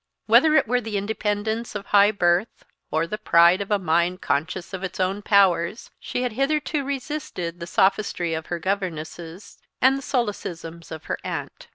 Whether it were the independence of high birth, or the pride of a mind conscious of its own powers, she had hitherto resisted the sophistry of her governesses and the solecisms of her aunt.